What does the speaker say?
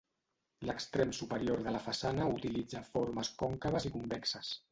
L'extrem superior de la façana utilitza formes còncaves i convexes.